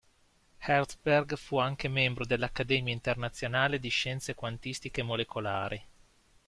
Herzberg fu anche membro dell'Accademia Internazionale di Scienze Quantistiche Molecolari.